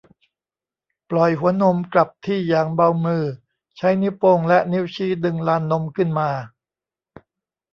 ปล่อยหัวนมกลับที่อย่างเบามือ ใช้นิ้วโป้งและนิ้วชี้ดึงลานนมขึ้นมา